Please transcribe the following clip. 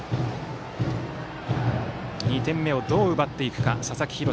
２点目をどう奪っていくか花巻東。